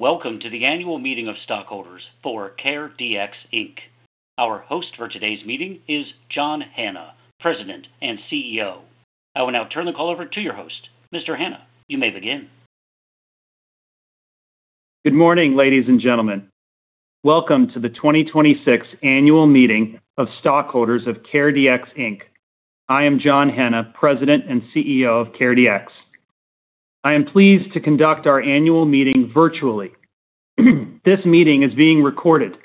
Welcome to the annual meeting of stockholders for CareDx, Inc. Our host for today's meeting is John Hanna, President and CEO. I will now turn the call over to your host. Mr. Hanna, you may begin. Good morning, ladies and gentlemen. Welcome to the 2026 annual meeting of stockholders of CareDx, Inc. I am John Hanna, President and CEO of CareDx. I am pleased to conduct our annual meeting virtually. This meeting is being recorded.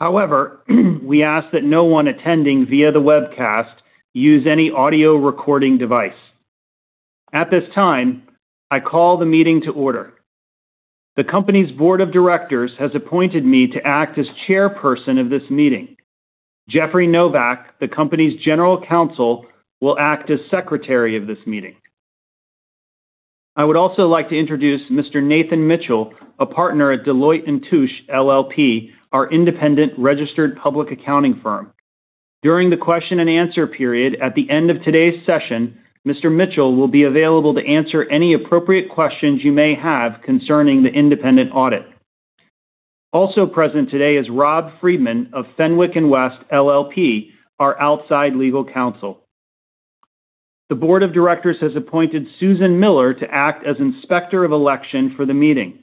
However, we ask that no one attending via the webcast use any audio recording device. At this time, I call the meeting to order. The company's board of directors has appointed me to act as chairperson of this meeting. Jeffrey Novack, the company's general counsel, will act as secretary of this meeting. I would also like to introduce Mr. Nathan Mitchell, a partner at Deloitte & Touche LLP, our independent registered public accounting firm. During the question and answer period at the end of today's session, Mr. Mitchell will be available to answer any appropriate questions you may have concerning the independent audit. Also present today is Rob Freedman of Fenwick & West LLP, our outside legal counsel. The board of directors has appointed Susan Miller to act as Inspector of Election for the meeting.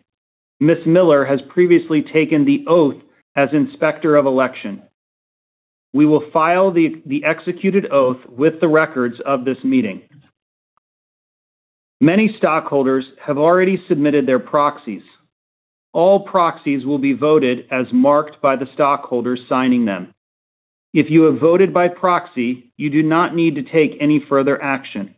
Ms. Miller has previously taken the oath as Inspector of Election. We will file the executed oath with the records of this meeting. Many stockholders have already submitted their proxies. All proxies will be voted as marked by the stockholders signing them. If you have voted by proxy, you do not need to take any further action.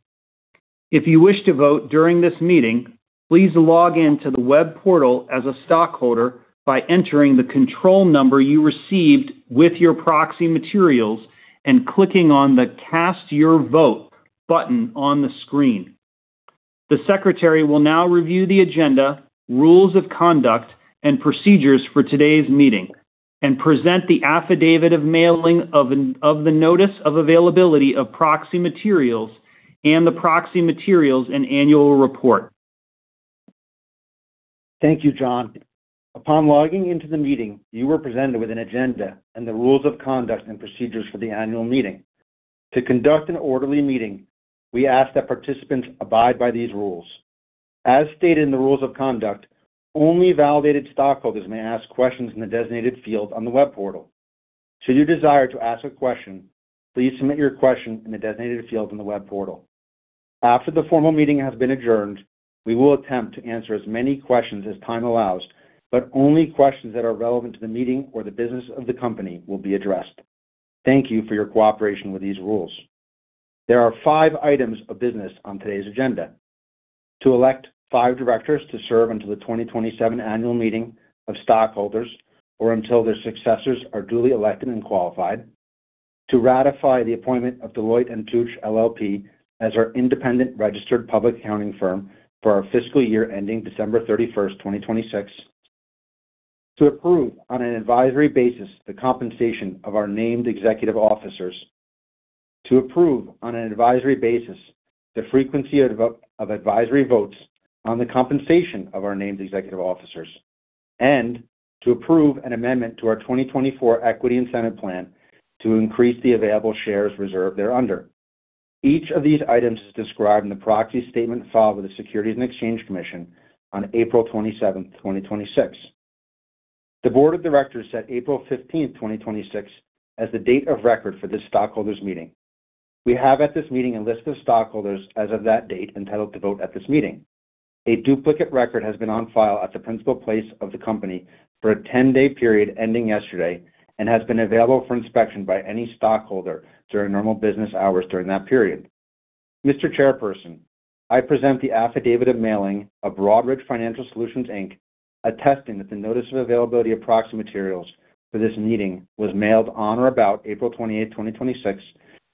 If you wish to vote during this meeting, please log in to the web portal as a stockholder by entering the control number you received with your proxy materials and clicking on the Cast Your Vote button on the screen. The secretary will now review the agenda, rules of conduct, and procedures for today's meeting and present the affidavit of mailing of the notice of availability of proxy materials and the proxy materials and annual report. Thank you, John. Upon logging into the meeting, you were presented with an agenda and the rules of conduct and procedures for the annual meeting. To conduct an orderly meeting, we ask that participants abide by these rules. As stated in the rules of conduct, only validated stockholders may ask questions in the designated field on the web portal. Should you desire to ask a question, please submit your question in the designated field on the web portal. After the formal meeting has been adjourned, we will attempt to answer as many questions as time allows, but only questions that are relevant to the meeting or the business of the company will be addressed. Thank you for your cooperation with these rules. There are five items of business on today's agenda: to elect five directors to serve until the 2027 annual meeting of stockholders, or until their successors are duly elected and qualified; to ratify the appointment of Deloitte & Touche LLP, as our independent registered public accounting firm for our fiscal year ending December 31st, 2026; to approve, on an advisory basis, the compensation of our named executive officers; to approve, on an advisory basis, the frequency of advisory votes on the compensation of our named executive officers; and to approve an amendment to our 2024 Equity Incentive Plan to increase the available shares reserved thereunder. Each of these items is described in the proxy statement filed with the Securities and Exchange Commission on April 27th, 2026. The board of directors set April 15th, 2026, as the date of record for this stockholders meeting. We have at this meeting a list of stockholders as of that date entitled to vote at this meeting. A duplicate record has been on file at the principal place of the company for a 10-day period ending yesterday and has been available for inspection by any stockholder during normal business hours during that period. Mr. Chairperson, I present the affidavit of mailing of Broadridge Financial Solutions, Inc., attesting that the notice of availability of proxy materials for this meeting was mailed on or about April 28th, 2026,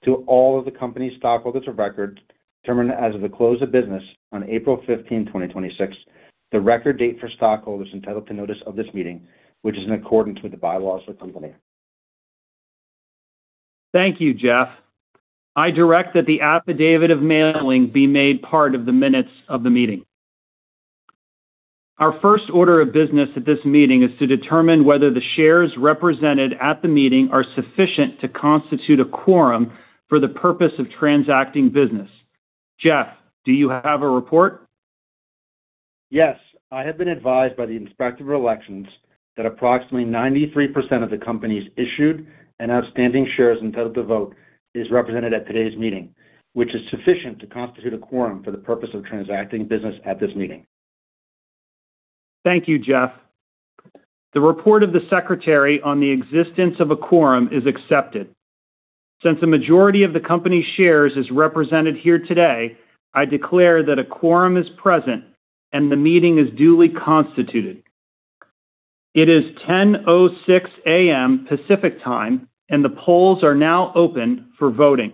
to all of the company's stockholders of record determined as of the close of business on April 15, 2026, the record date for stockholders entitled to notice of this meeting, which is in accordance with the bylaws of the company. Thank you, Jeff. I direct that the affidavit of mailing be made part of the minutes of the meeting. Our first order of business at this meeting is to determine whether the shares represented at the meeting are sufficient to constitute a quorum for the purpose of transacting business. Jeff, do you have a report? Yes. I have been advised by the Inspector of Election that approximately 93% of the company's issued and outstanding shares entitled to vote is represented at today's meeting, which is sufficient to constitute a quorum for the purpose of transacting business at this meeting. Thank you, Jeff. The report of the Secretary on the existence of a quorum is accepted. Since the majority of the company's shares is represented here today, I declare that a quorum is present and the meeting is duly constituted. It is 10:06 A.M. Pacific Time, the polls are now open for voting.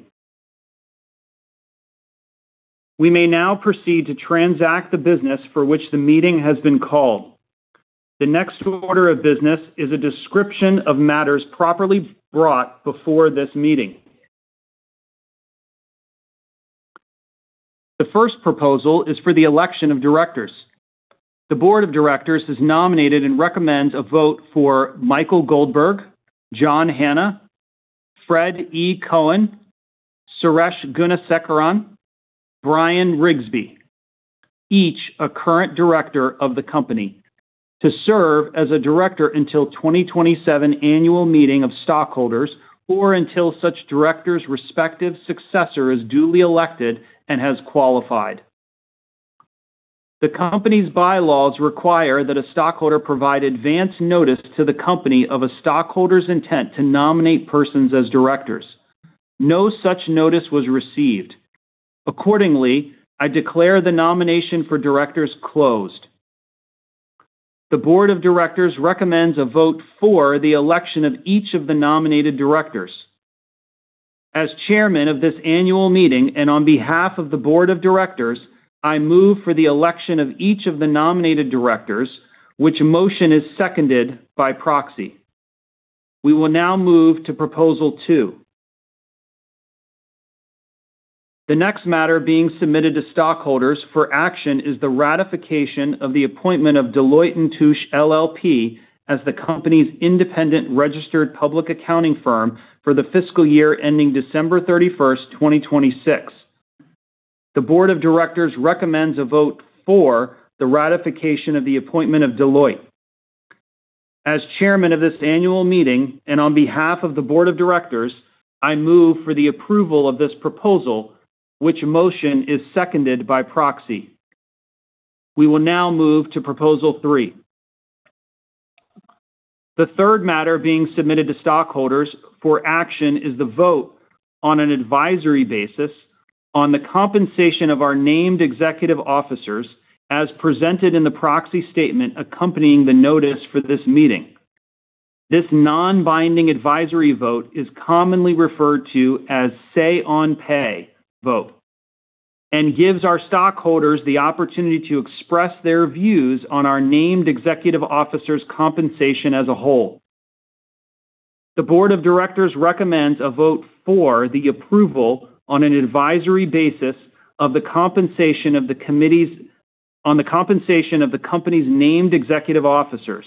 We may now proceed to transact the business for which the meeting has been called. The next order of business is a description of matters properly brought before this meeting. The first proposal is for the election of directors. The board of directors has nominated and recommends a vote for Michael Goldberg, John Hanna, Fred E. Cohen, Suresh Gunasekaran, Bryan Riggsbee, each a current director of the company, to serve as a director until 2027 Annual Meeting of Stockholders, or until such director's respective successor is duly elected and has qualified. The company's bylaws require that a stockholder provide advance notice to the company of a stockholder's intent to nominate persons as directors. No such notice was received. Accordingly, I declare the nomination for directors closed. The board of directors recommends a vote for the election of each of the nominated directors. As chairman of this annual meeting and on behalf of the board of directors, I move for the election of each of the nominated directors, which motion is seconded by proxy. We will now move to proposal two. The next matter being submitted to stockholders for action is the ratification of the appointment of Deloitte & Touche LLP as the company's independent registered public accounting firm for the fiscal year ending December 31st, 2026. The board of directors recommends a vote for the ratification of the appointment of Deloitte. As chairman of this annual meeting and on behalf of the board of directors, I move for the approval of this proposal, which motion is seconded by proxy. We will now move to proposal three. The third matter being submitted to stockholders for action is the vote on an advisory basis on the compensation of our named executive officers as presented in the proxy statement accompanying the notice for this meeting. This non-binding advisory vote is commonly referred to as say on pay vote and gives our stockholders the opportunity to express their views on our named executive officers' compensation as a whole. The board of directors recommends a vote for the approval on an advisory basis on the compensation of the company's named executive officers.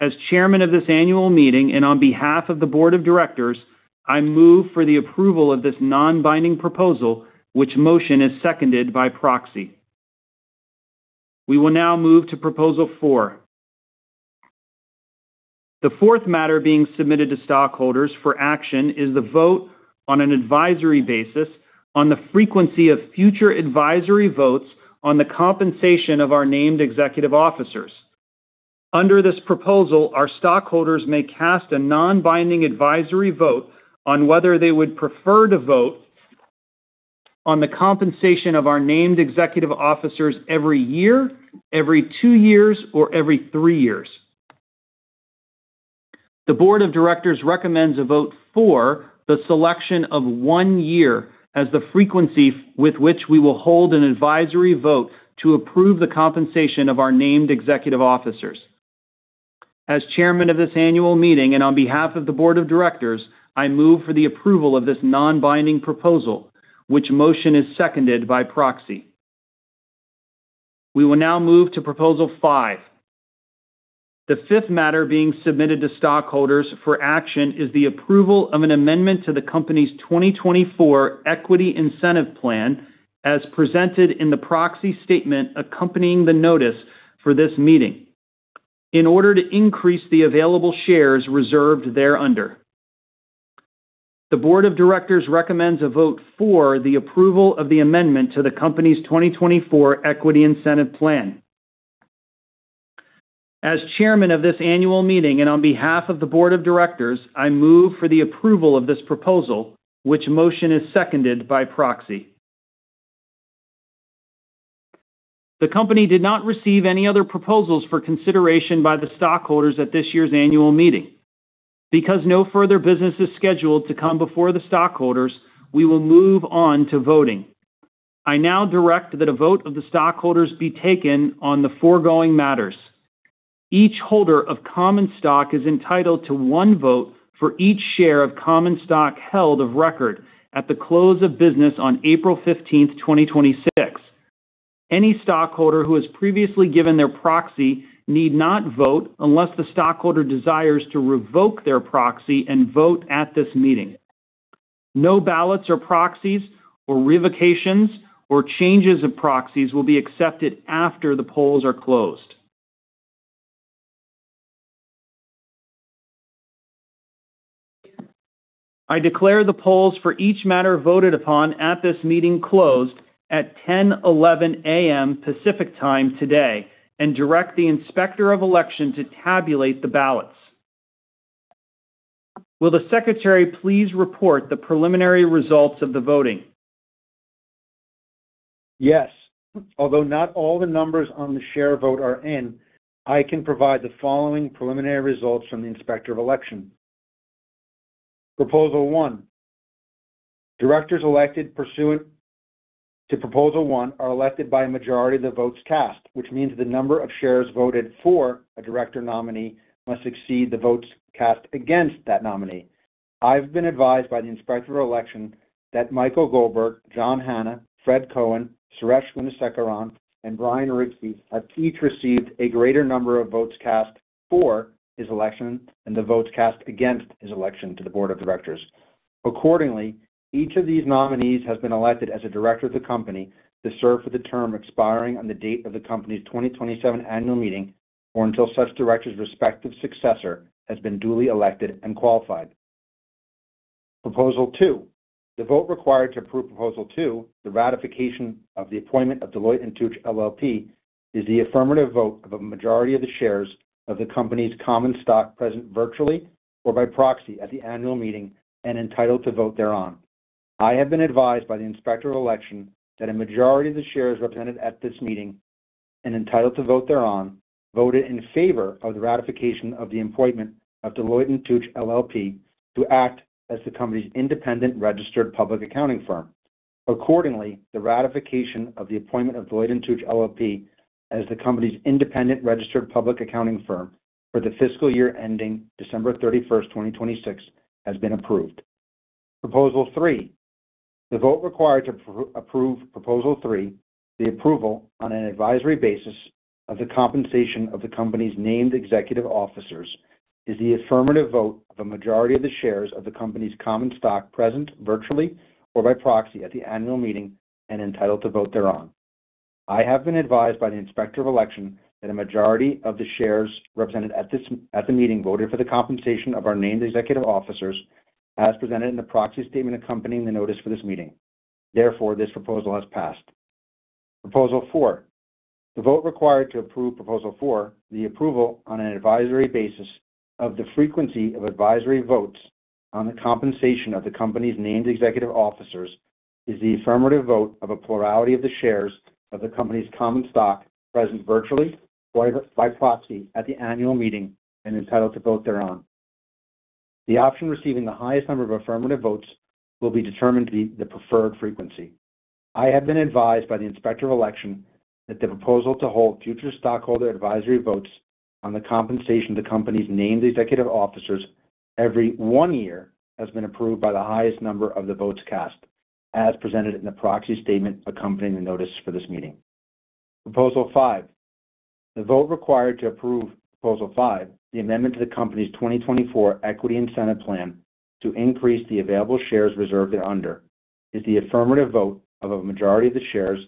As chairman of this annual meeting and on behalf of the board of directors, I move for the approval of this non-binding proposal, which motion is seconded by proxy. We will now move to proposal four. The fourth matter being submitted to stockholders for action is the vote on an advisory basis on the frequency of future advisory votes on the compensation of our named executive officers. Under this proposal, our stockholders may cast a non-binding advisory vote on whether they would prefer to vote on the compensation of our named executive officers every year, every two years, or every three years. The board of directors recommends a vote for the selection of one year as the frequency with which we will hold an advisory vote to approve the compensation of our named executive officers. As chairman of this annual meeting and on behalf of the board of directors, I move for the approval of this non-binding proposal, which motion is seconded by proxy. We will now move to proposal five. The fifth matter being submitted to stockholders for action is the approval of an amendment to the company's 2024 Equity Incentive Plan as presented in the proxy statement accompanying the notice for this meeting in order to increase the available shares reserved thereunder. The board of directors recommends a vote for the approval of the amendment to the company's 2024 Equity Incentive Plan. As chairman of this annual meeting and on behalf of the board of directors, I move for the approval of this proposal, which motion is seconded by proxy. The company did not receive any other proposals for consideration by the stockholders at this year's annual meeting. No further business is scheduled to come before the stockholders, we will move on to voting. I now direct that a vote of the stockholders be taken on the foregoing matters. Each holder of common stock is entitled to one vote for each share of common stock held of record at the close of business on April 15th, 2026. Any stockholder who has previously given their proxy need not vote unless the stockholder desires to revoke their proxy and vote at this meeting. No ballots or proxies or revocations or changes of proxies will be accepted after the polls are closed. I declare the polls for each matter voted upon at this meeting closed at 10:11 A.M. Pacific Time today and direct the Inspector of Election to tabulate the ballots. Will the secretary please report the preliminary results of the voting? Yes. Although not all the numbers on the share vote are in, I can provide the following preliminary results from the Inspector of Election. Proposal one, directors elected pursuant to proposal one are elected by a majority of the votes cast, which means the number of shares voted for a director nominee must exceed the votes cast against that nominee. I've been advised by the Inspector of Election that Michael Goldberg, John Hanna, Fred Cohen, Suresh Gunasekaran, and Bryan Riggsbee have each received a greater number of votes cast for his election than the votes cast against his election to the Board of Directors. Accordingly, each of these nominees has been elected as a director of the company to serve for the term expiring on the date of the company's 2027 annual meeting, or until such director's respective successor has been duly elected and qualified. Proposal two. The vote required to approve Proposal two, the ratification of the appointment of Deloitte & Touche LLP, is the affirmative vote of a majority of the shares of the company's common stock present virtually or by proxy at the annual meeting and entitled to vote thereon. I have been advised by the Inspector of Election that a majority of the shares represented at this meeting and entitled to vote thereon, voted in favor of the ratification of the appointment of Deloitte & Touche LLP to act as the company's independent registered public accounting firm. Accordingly, the ratification of the appointment of Deloitte & Touche LLP as the company's independent registered public accounting firm for the fiscal year ending December 31, 2026, has been approved. Proposal three. The vote required to approve Proposal three, the approval on an advisory basis of the compensation of the company's named executive officers, is the affirmative vote of a majority of the shares of the company's common stock present virtually or by proxy at the annual meeting and entitled to vote thereon. I have been advised by the Inspector of Election that a majority of the shares represented at the meeting voted for the compensation of our named executive officers as presented in the proxy statement accompanying the notice for this meeting. Therefore, this proposal has passed. Proposal four. The vote required to approve Proposal four, the approval on an advisory basis of the frequency of advisory votes on the compensation of the company's named executive officers, is the affirmative vote of a plurality of the shares of the company's common stock present virtually or by proxy at the annual meeting and entitled to vote thereon. The option receiving the highest number of affirmative votes will be determined to be the preferred frequency. I have been advised by the Inspector of Election that the proposal to hold future stockholder advisory votes on the compensation of the company's named executive officers every one year has been approved by the highest number of the votes cast, as presented in the proxy statement accompanying the notice for this meeting. Proposal five. The vote required to approve Proposal five, the amendment to the company's 2024 Equity Incentive Plan to increase the available shares reserved thereunder, is the affirmative vote of a majority of the shares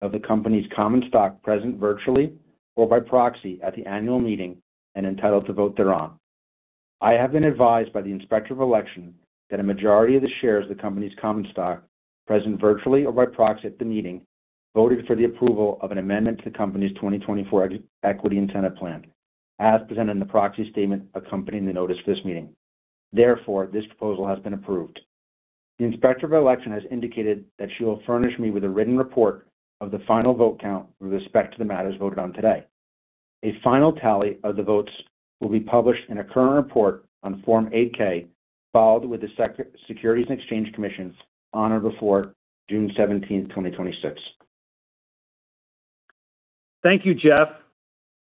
of the company's common stock present virtually or by proxy at the annual meeting and entitled to vote thereon. I have been advised by the Inspector of Election that a majority of the shares of the company's common stock, present virtually or by proxy at the meeting, voted for the approval of an amendment to the company's 2024 Equity Incentive Plan, as presented in the proxy statement accompanying the notice for this meeting. Therefore, this proposal has been approved. The Inspector of Election has indicated that she will furnish me with a written report of the final vote count with respect to the matters voted on today. A final tally of the votes will be published in a current report on Form 8-K filed with the Securities and Exchange Commission on or before June 17th, 2026. Thank you, Jeff.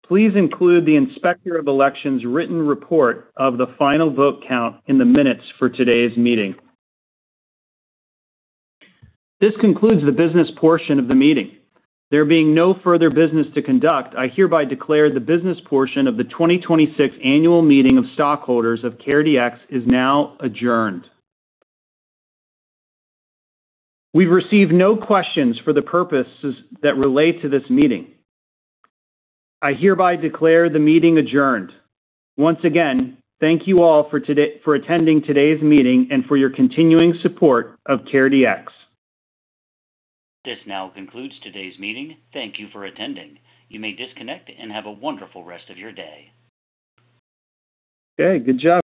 Please include the Inspector of Election's written report of the final vote count in the minutes for today's meeting. This concludes the business portion of the meeting. There being no further business to conduct, I hereby declare the business portion of the 2026 annual meeting of stockholders of CareDx is now adjourned. We've received no questions for the purposes that relate to this meeting. I hereby declare the meeting adjourned. Once again, thank you all for attending today's meeting and for your continuing support of CareDx. This now concludes today's meeting. Thank you for attending. You may disconnect and have a wonderful rest of your day. Okay, good job